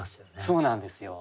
そうなんですよ。